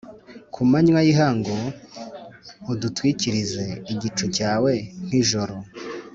Ku manywa y’ihangu, udutwikirize igicucu cyawe nk’ijoro,